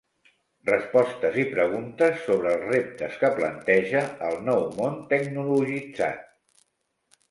Respostes i preguntes sobre els reptes que planteja el nou món tecnologitzat.